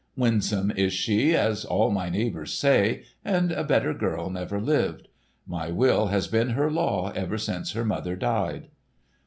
Winsome is she, as all my neighbours say, and a better girl never lived. My will has been her law ever since her mother died."